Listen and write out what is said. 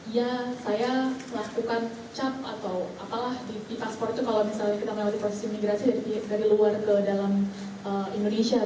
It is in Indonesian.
ya saya melakukan cap atau apalah di paspor itu kalau misalnya kita melalui proses imigrasi dari luar ke dalam indonesia